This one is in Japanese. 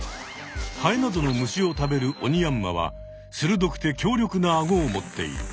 ハエなどの虫を食べるオニヤンマはするどくて強力なアゴを持っている。